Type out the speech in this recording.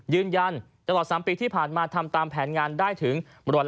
ยืนยันตลอด๓ปีที่ผ่านมาทำตามแผนงานได้ถึง๑๕